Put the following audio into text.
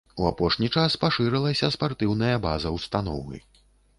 У апошні час пашырылася спартыўная база ўстановы.